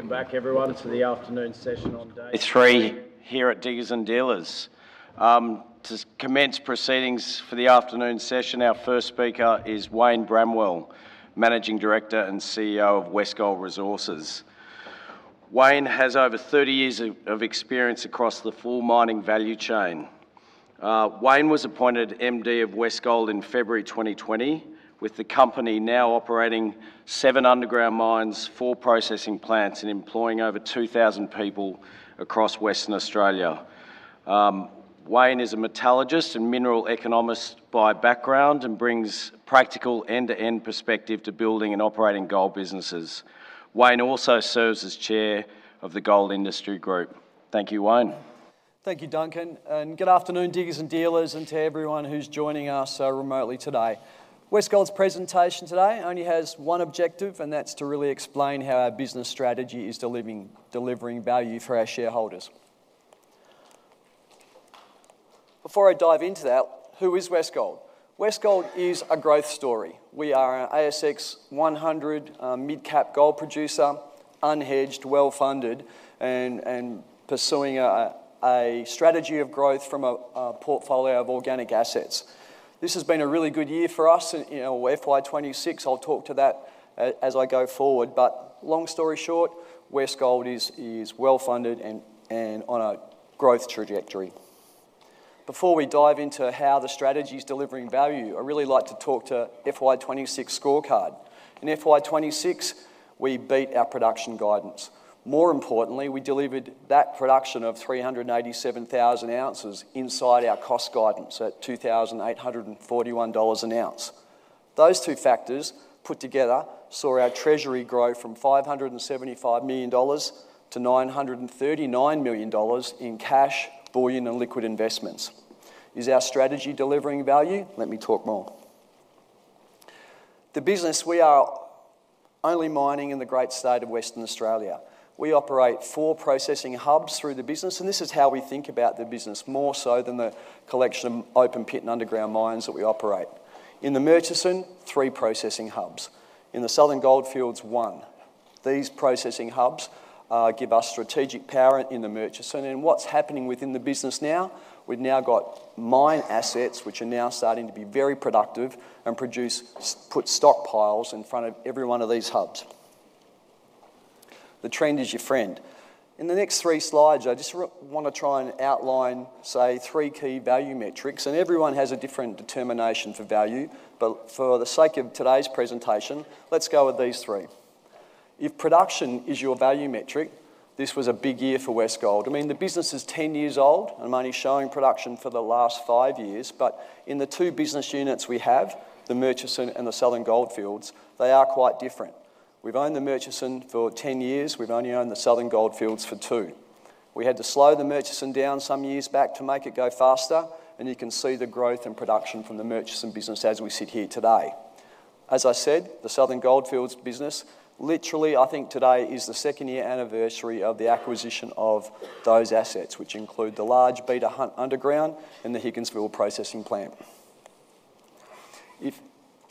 Welcome back everyone to the afternoon session on day three here at Diggers and Dealers. To commence proceedings for the afternoon session, our first speaker is Wayne Bramwell, Managing Director and CEO of Westgold Resources. Wayne has over 30 years of experience across the full mining value chain. Wayne was appointed MD of Westgold in February 2020, with the company now operating seven underground mines, four processing plants, and employing over 2,000 people across Western Australia. Wayne is a metallurgist and mineral economist by background and brings practical end-to-end perspective to building and operating gold businesses. Wayne also serves as chair of the Gold Industry Group. Thank you, Wayne. Thank you, Duncan, and good afternoon, Diggers and Dealers, and to everyone who's joining us remotely today. Westgold's presentation today only has one objective, and that's to really explain how our business strategy is delivering value for our shareholders. Before I dive into that, who is Westgold? Westgold is a growth story. We are an ASX 100 mid-cap gold producer, unhedged, well-funded, and pursuing a strategy of growth from a portfolio of organic assets. This has been a really good year for us in FY 2026. I'll talk to that as I go forward. Long story short, Westgold is well-funded and on a growth trajectory. Before we dive into how the strategy's delivering value, I'd really like to talk to FY 2026 scorecard. In FY 2026, we beat our production guidance. More importantly, we delivered that production of 387,000 ounces inside our cost guidance at 2,841 dollars an ounce. Those two factors put together saw our treasury grow from 575 million dollars to 939 million dollars in cash, bullion, and liquid investments. Is our strategy delivering value? Let me talk more. The business, we are only mining in the great state of Western Australia. We operate four processing hubs through the business, and this is how we think about the business more so than the collection of open pit and underground mines that we operate. In the Murchison, three processing hubs. In the Southern Goldfields, one. These processing hubs give us strategic power in the Murchison. What's happening within the business now, we've now got mine assets, which are now starting to be very productive and put stockpiles in front of every one of these hubs. The trend is your friend. In the next three slides, I just want to try and outline, say, three key value metrics. Everyone has a different determination for value. For the sake of today's presentation, let's go with these three. If production is your value metric, this was a big year for Westgold. The business is 10 years old. I'm only showing production for the last five years. In the two business units we have, the Murchison and the Southern Goldfields, they are quite different. We've owned the Murchison for 10 years. We've only owned the Southern Goldfields for two. We had to slow the Murchison down some years back to make it go faster, and you can see the growth in production from the Murchison business as we sit here today. As I said, the Southern Goldfields business, literally, I think today is the second-year anniversary of the acquisition of those assets, which include the large Beta Hunt underground and the Higginsville processing plant. If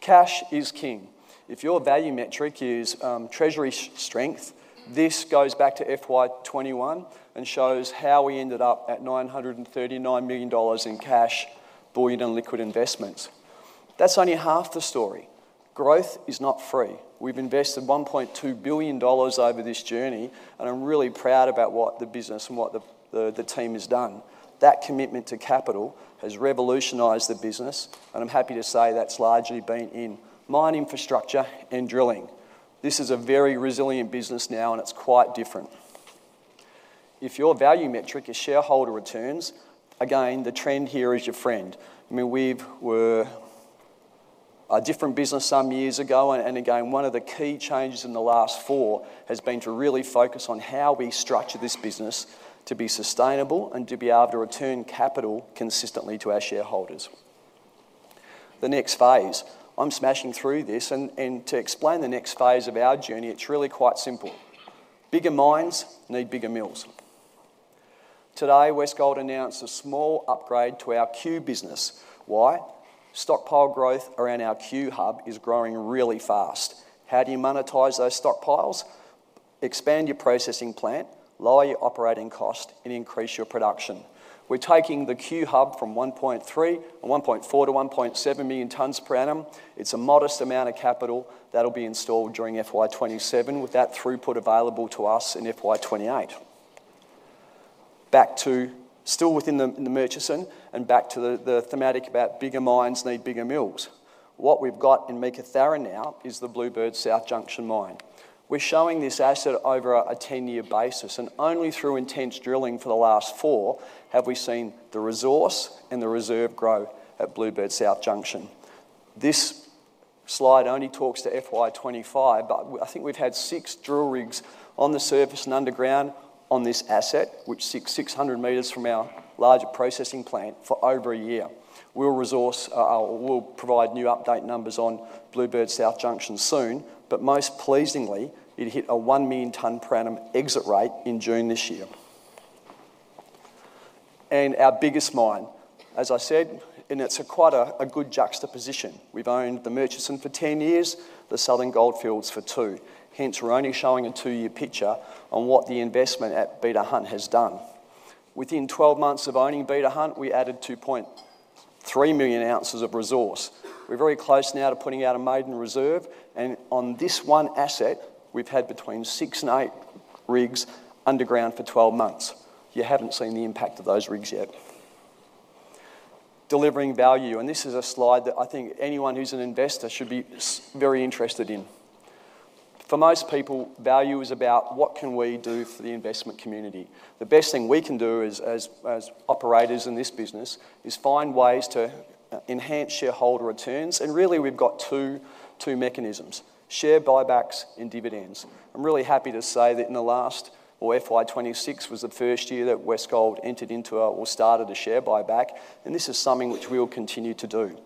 cash is king, if your value metric is treasury strength, this goes back to FY 2021 and shows how we ended up at 939 million dollars in cash, bullion, and liquid investments. That's only half the story. Growth is not free. We've invested 1.2 billion dollars over this journey, I'm really proud about what the business and what the team has done. That commitment to capital has revolutionized the business, I'm happy to say that's largely been in mine infrastructure and drilling. This is a very resilient business now, it's quite different. If your value metric is shareholder returns, again, the trend here is your friend. We were a different business some years ago, again, one of the key changes in the last four has been to really focus on how we structure this business to be sustainable and to be able to return capital consistently to our shareholders. The next phase. I'm smashing through this, to explain the next phase of our journey, it's really quite simple. Bigger mines need bigger mills. Today, Westgold announced a small upgrade to our Cue business. Why? Stockpile growth around our Cue hub is growing really fast. How do you monetize those stockpiles? Expand your processing plant, lower your operating cost, and increase your production. We're taking the Cue hub from 1.3 and 1.4 to 1.7 million tons per annum. It's a modest amount of capital that'll be installed during FY 2027, with that throughput available to us in FY 2028. Back to still within the Murchison, back to the thematic about bigger mines need bigger mills. What we've got in Meekatharra now is the Bluebird-South Junction mine. We're showing this asset over a 10-year basis, only through intense drilling for the last four have we seen the resource and the reserve grow at Bluebird-South Junction. This slide only talks to FY 2025, but I think we've had six drill rigs on the surface and underground on this asset, which sits 600 meters from our larger processing plant, for over a year. We'll provide new update numbers on Bluebird-South Junction soon, but most pleasingly, it hit a 1 million-ton per annum exit rate in June this year. Our biggest mine, as I said, it's quite a good juxtaposition. We've owned the Murchison for 10 years, the Southern Goldfields for two. Hence, we're only showing a two-year picture on what the investment at Beta Hunt has done. Within 12 months of owning Beta Hunt, we added 2.3 million ounces of resource. We're very close now to putting out a maiden reserve, on this one asset, we've had between six and eight rigs underground for 12 months. You haven't seen the impact of those rigs yet. Delivering value, this is a slide that I think anyone who's an investor should be very interested in. For most people, value is about what can we do for the investment community? The best thing we can do as operators in this business is find ways to enhance shareholder returns, really, we've got two mechanisms, share buybacks and dividends. I'm really happy to say that in the last, or FY 2026 was the first year that Westgold entered into or started a share buyback, and this is something which we'll continue to do.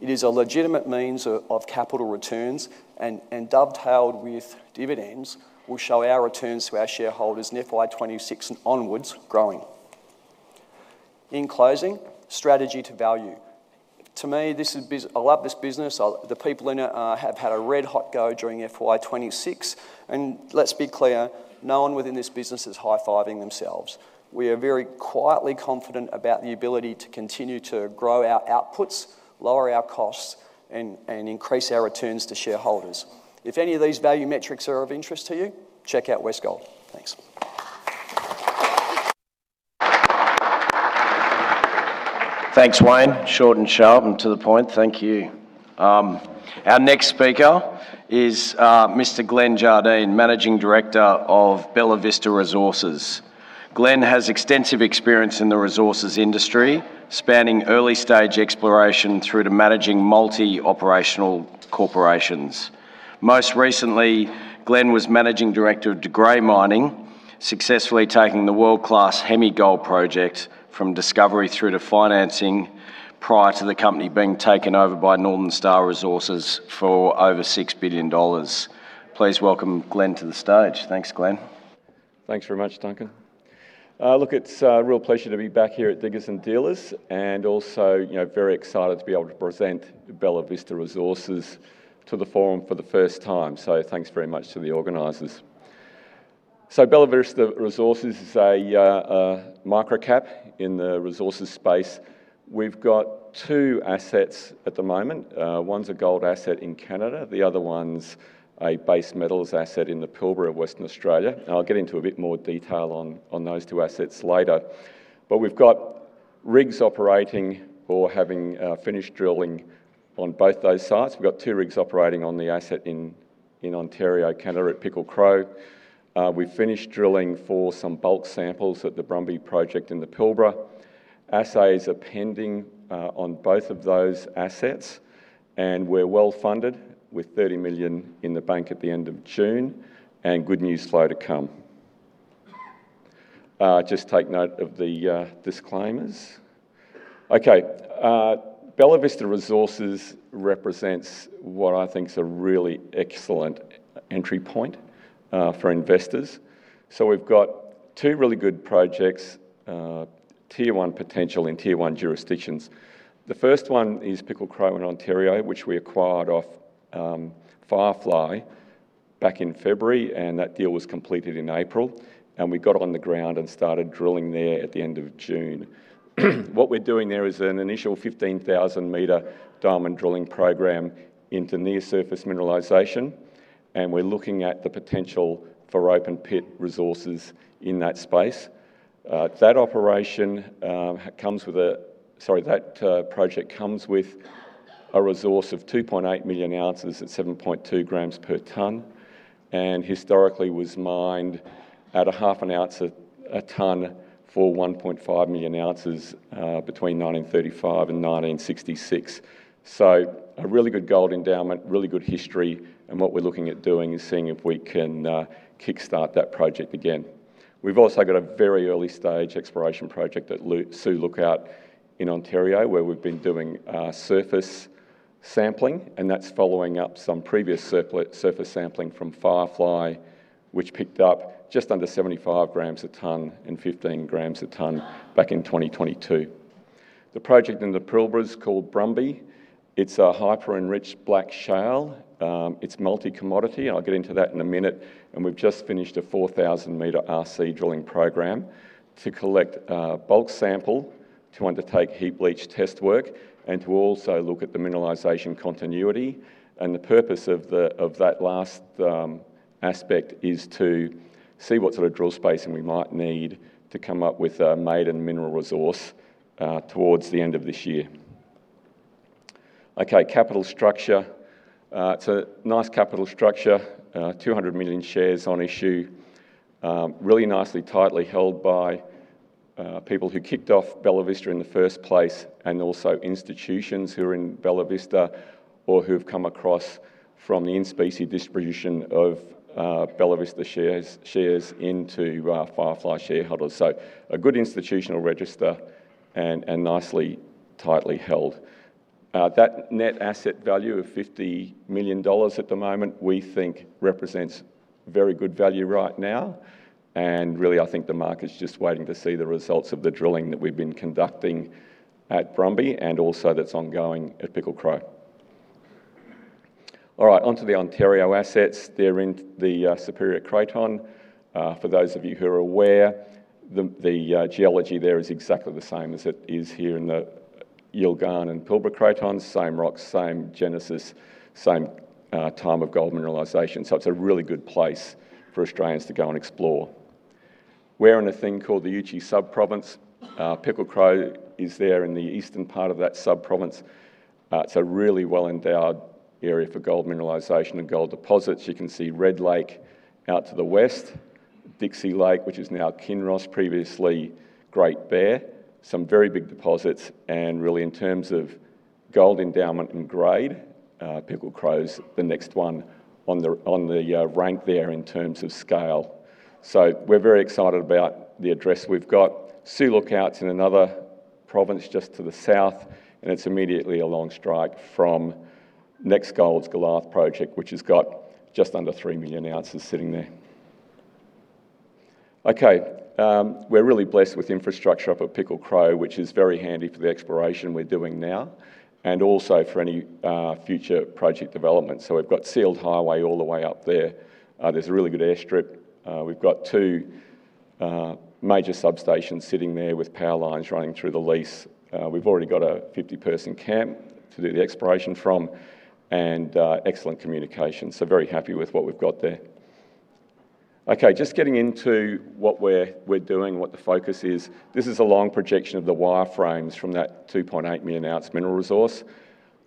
It is a legitimate means of capital returns and, dovetailed with dividends, will show our returns to our shareholders in FY 2026 and onwards growing. In closing, strategy to value. To me, I love this business. The people in it have had a red-hot go during FY 2026. Let's be clear, no one within this business is high-fiving themselves. We are very quietly confident about the ability to continue to grow our outputs, lower our costs, and increase our returns to shareholders. If any of these value metrics are of interest to you, check out Westgold. Thanks. Thanks, Wayne. Short and sharp and to the point. Thank you. Our next speaker is Mr. Glenn Jardine, Managing Director of Bellavista Resources. Glenn has extensive experience in the resources industry, spanning early-stage exploration through to managing multi-operational corporations. Most recently, Glenn was Managing Director of De Grey Mining, successfully taking the world-class Hemi Gold Project from discovery through to financing, prior to the company being taken over by Northern Star Resources for over 6 billion dollars. Please welcome Glenn to the stage. Thanks, Glenn. Thanks very much, Duncan. It's a real pleasure to be back here at Diggers and Dealers and also very excited to be able to present Bellavista Resources to the forum for the first time. Thanks very much to the organizers. Bellavista Resources is a micro-cap in the resources space. We've got two assets at the moment. One's a gold asset in Canada. The other one's a base metals asset in the Pilbara of Western Australia. I'll get into a bit more detail on those two assets later. We've got rigs operating or having finished drilling on both those sites. We've got two rigs operating on the asset in Ontario, Canada, at Pickle Crow. We finished drilling for some bulk samples at the Brumby Project in the Pilbara. Assays are pending on both of those assets, and we're well-funded with 30 million in the bank at the end of June, and good news flow to come. Just take note of the disclaimers. Okay. Bellavista Resources represents what I think is a really excellent entry point for investors. We've got two really good projects, tier 1 potential in tier 1 jurisdictions. The first one is Pickle Crow in Ontario, which we acquired off FireFly back in February, and that deal was completed in April. We got on the ground and started drilling there at the end of June. What we're doing there is an initial 15,000-meter diamond drilling program into near-surface mineralization, and we're looking at the potential for open-pit resources in that space. That project comes with a resource of 2.8 million ounces at 7.2 grams per ton and historically was mined at a half an ounce a ton for 1.5 million ounces between 1935 and 1966. A really good gold endowment, really good history, and what we're looking at doing is seeing if we can kickstart that project again. We've also got a very early-stage exploration project at Sioux Lookout in Ontario, where we've been doing surface sampling, and that's following up some previous surface sampling from FireFly, which picked up just under 75 grams a ton and 15 grams a ton back in 2022. The project in the Pilbara is called Brumby. It's a hyper-enriched black shale. It's multi-commodity. I'll get into that in a minute. We've just finished a 4,000-meter RC drilling program to collect a bulk sample to undertake heap leach test work and to also look at the mineralization continuity. The purpose of that last aspect is to see what sort of drill spacing we might need to come up with a maiden mineral resource towards the end of this year. Okay, capital structure. It's a nice capital structure, 200 million shares on issue. Really nicely, tightly held by people who kicked off Bellavista in the first place and also institutions who are in Bellavista or who've come across from the in specie distribution of Bellavista shares into FireFly shareholdings. A good institutional register and nicely, tightly held. That net asset value of 50 million dollars at the moment, we think represents very good value right now. Really, I think the market's just waiting to see the results of the drilling that we've been conducting at Brumby and also that's ongoing at Pickle Crow. All right, onto the Ontario assets. They're in the Superior Craton. For those of you who are aware, the geology there is exactly the same as it is here in the Yilgarn and Pilbara Cratons. Same rocks, same genesis, same time of gold mineralization. It's a really good place for Australians to go and explore. We're in a thing called the Uchi Subprovince. Pickle Crow is there in the eastern part of that subprovince. It's a really well-endowed area for gold mineralization and gold deposits. You can see Red Lake out to the west, Dixie Lake, which is now Kinross, previously Great Bear. Some very big deposits. Really, in terms of gold endowment and grade, Pickle Crow's the next one on the rank there in terms of scale. We're very excited about the address we've got. Sioux Lookout's in another province just to the south, and it's immediately along strike from NexGold's Goliath Project, which has got just under 3 million ounces sitting there. Okay. We're really blessed with infrastructure up at Pickle Crow, which is very handy for the exploration we're doing now, and also for any future project development. We've got sealed highway all the way up there. There's a really good airstrip. We've got two major substations sitting there with power lines running through the lease. We've already got a 50-person camp to do the exploration from and excellent communication. Very happy with what we've got there. Okay, just getting into what we're doing, what the focus is. This is a long projection of the wireframes from that 2.8-million-ounce mineral resource.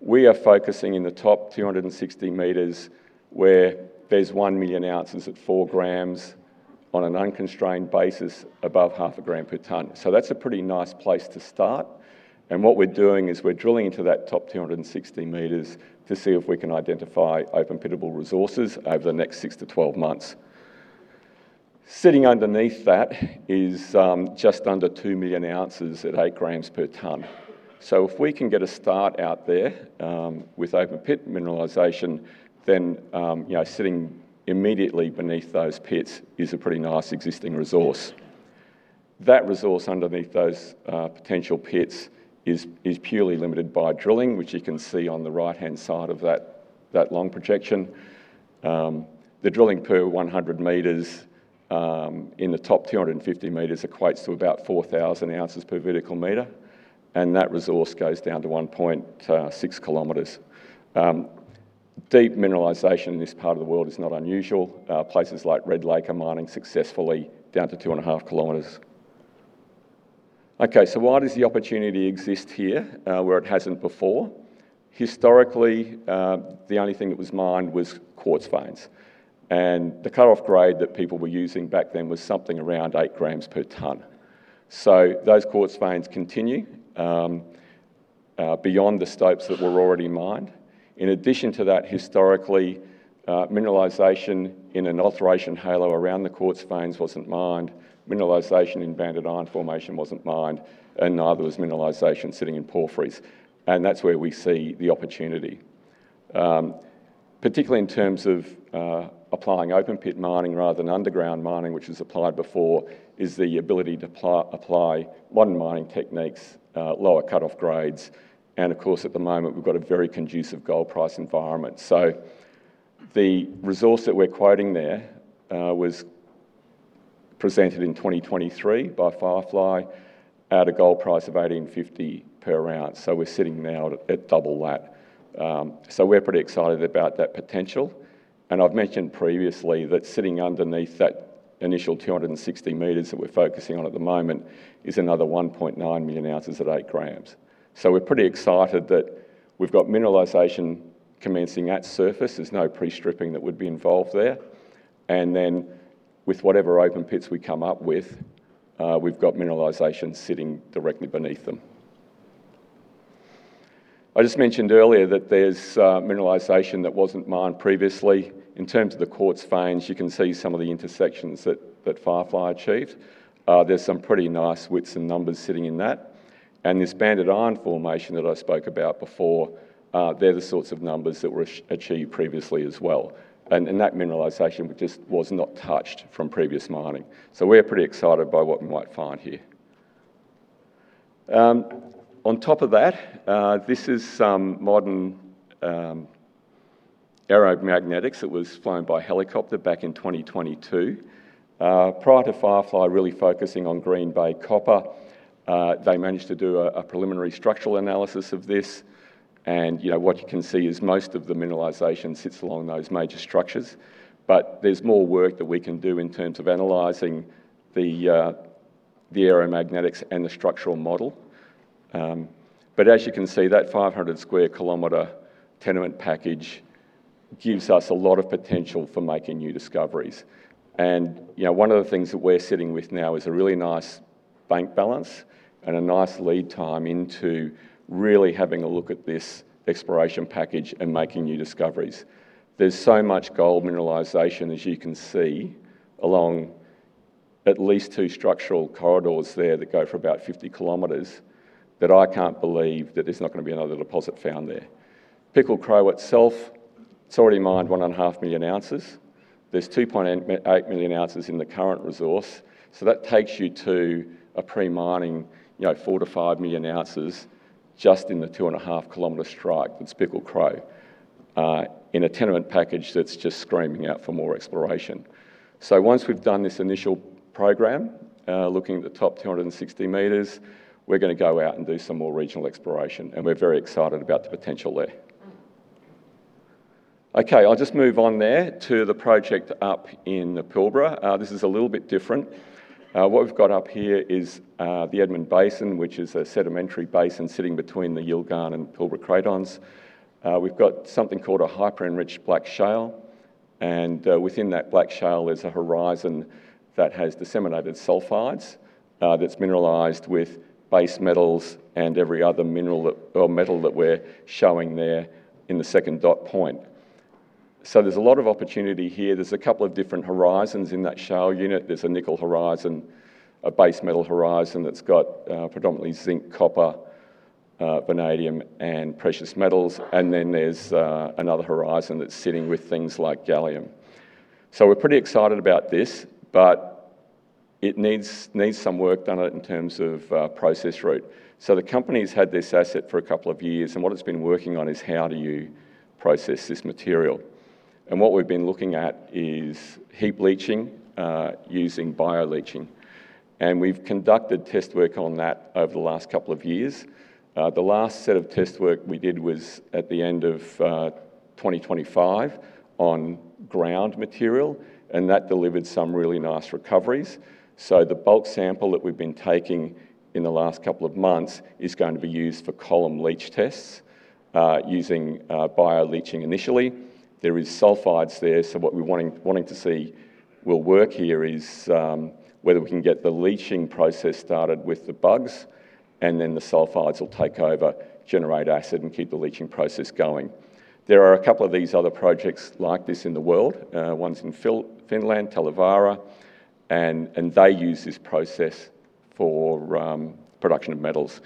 We are focusing in the top 260 meters, where there's 1 million ounces at 4 grams on an unconstrained basis above half a gram per ton. That's a pretty nice place to start. What we're doing is we're drilling into that top 260 meters to see if we can identify open pitable resources over the next 6 to 12 months. Sitting underneath that is just under 2 million ounces at 8 grams per ton. If we can get a start out there with open pit mineralization, sitting immediately beneath those pits is a pretty nice existing resource. That resource underneath those potential pits is purely limited by drilling, which you can see on the right-hand side of that long projection. The drilling per 100 meters in the top 250 meters equates to about 4,000 ounces per vertical meter, and that resource goes down to 1.6 km. Deep mineralization in this part of the world is not unusual. Places like Red Lake are mining successfully down to 2.5 km. Why does the opportunity exist here where it hasn't before? Historically, the only thing that was mined was quartz veins, and the cut-off grade that people were using back then was something around 8 grams per ton. Those quartz veins continue beyond the stopes that were already mined. In addition to that, historically, mineralization in an alteration halo around the quartz veins wasn't mined. Mineralization in banded iron formation wasn't mined, and neither was mineralization sitting in porphyries. That's where we see the opportunity. Particularly in terms of applying open-pit mining rather than underground mining, which was applied before, is the ability to apply modern mining techniques, lower cut-off grades, and of course, at the moment, we've got a very conducive gold price environment. The resource that we're quoting there was presented in 2023 by FireFly at a gold price of 1,850 per ounce. We're sitting now at double that. We're pretty excited about that potential. I've mentioned previously that sitting underneath that initial 260 meters that we're focusing on at the moment is another 1.9 million ounces at 8 grams. We're pretty excited that we've got mineralization commencing at surface. There's no pre-stripping that would be involved there. With whatever open pits we come up with, we've got mineralization sitting directly beneath them. I just mentioned earlier that there's mineralization that wasn't mined previously. In terms of the quartz veins, you can see some of the intersections that FireFly achieved. There's some pretty nice widths and numbers sitting in that. This banded iron formation that I spoke about before, they're the sorts of numbers that were achieved previously as well. That mineralization just was not touched from previous mining. We're pretty excited by what we might find here. On top of that, this is some modern aeromagnetics that was flown by helicopter back in 2022. Prior to FireFly really focusing on Green Bay copper, they managed to do a preliminary structural analysis of this. What you can see is most of the mineralization sits along those major structures. There's more work that we can do in terms of analyzing the aeromagnetics and the structural model. As you can see, that 500 sq km tenement package gives us a lot of potential for making new discoveries. One of the things that we're sitting with now is a really nice bank balance and a nice lead time into really having a look at this exploration package and making new discoveries. There's so much gold mineralization, as you can see, along- At least two structural corridors there that go for about 50 km that I can't believe that there's not going to be another deposit found there. Pickle Crow itself, it's already mined 1.5 million ounces. There's 2.8 million ounces in the current resource. That takes you to a pre-mining 4 to 5 million ounces just in the 2.5 km strike at Pickle Crow, in a tenement package that's just screaming out for more exploration. Once we've done this initial program, looking at the top 260 meters, we're going to go out and do some more regional exploration, and we're very excited about the potential there. I'll just move on there to the project up in the Pilbara. This is a little bit different. What we've got up here is the Edmund Basin, which is a sedimentary basin sitting between the Yilgarn and Pilbara cratons. We've got something called a hyper-enriched black shale, and within that black shale is a horizon that has disseminated sulfides, that's mineralized with base metals and every other metal that we're showing there in the second dot point. There's a lot of opportunity here. There's a couple of different horizons in that shale unit. There's a nickel horizon. A base metal horizon that's got predominantly zinc, copper, vanadium, and precious metals. There's another horizon that's sitting with things like gallium. We're pretty excited about this, but it needs some work done on it in terms of process route. The company's had this asset for a couple of years, and what it's been working on is how do you process this material? What we've been looking at is heap leaching, using bioleaching. We've conducted test work on that over the last couple of years. The last set of test work we did was at the end of 2025 on ground material, and that delivered some really nice recoveries. The bulk sample that we've been taking in the last couple of months is going to be used for column leach tests, using bioleaching initially. There is sulfides there, what we're wanting to see will work here is whether we can get the leaching process started with the bugs and then the sulfides will take over, generate acid and keep the leaching process going. There are a couple of these other projects like this in the world. One's in Finland, Talvivaara, and they use this process for production of metals.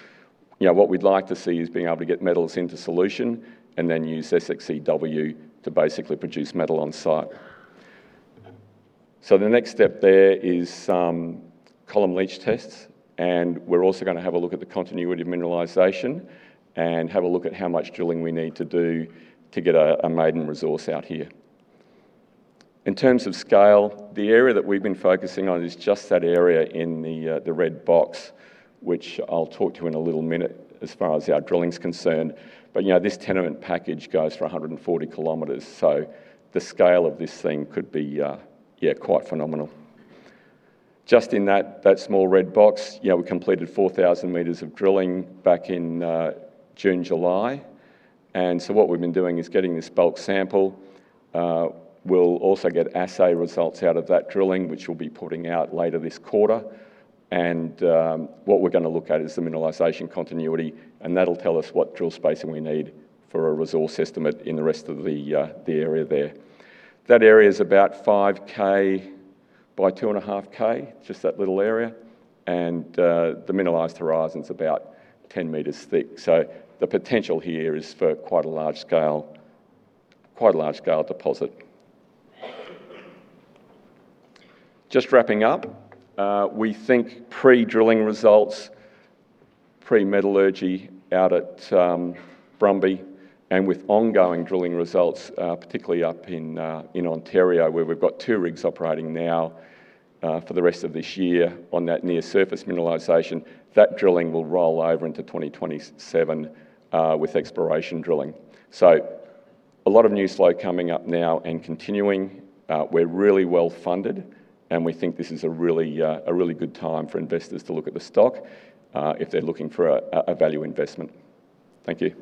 What we'd like to see is being able to get metals into solution and then use SX-EW to basically produce metal on-site. The next step there is some column leach tests and we're also going to have a look at the continuity of mineralization and have a look at how much drilling we need to do to get a maiden resource out here. In terms of scale, the area that we've been focusing on is just that area in the red box, which I'll talk to in a little minute as far as our drilling's concerned. This tenement package goes for 140 km, so the scale of this thing could be quite phenomenal. Just in that small red box, we completed 4,000 meters of drilling back in June, July. What we've been doing is getting this bulk sample. We'll also get assay results out of that drilling, which we'll be putting out later this quarter. What we're going to look at is the mineralization continuity, and that'll tell us what drill spacing we need for a resource estimate in the rest of the area there. That area is about 5K by 2.5K, just that little area. The mineralized horizon's about 10 meters thick. The potential here is for quite a large-scale deposit. Just wrapping up. We think pre-drilling results, pre-metallurgy out at Brumby and with ongoing drilling results, particularly up in Ontario where we've got two rigs operating now, for the rest of this year on that near-surface mineralization. That drilling will roll over into 2027 with exploration drilling. A lot of new flow coming up now and continuing. We're really well-funded and we think this is a really good time for investors to look at the stock, if they're looking for a value investment. Thank you.